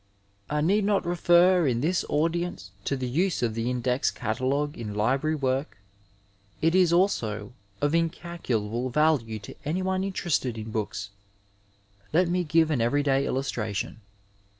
I need not refer in this audi ence to the use of the Index Catalogue in library work ; it is also of incalculable value to any one interested in books. Let me give an everyday illustration.